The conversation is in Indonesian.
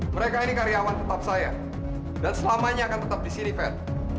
mereka ini karyawan tetap saya dan selamanya akan tetap di sini fed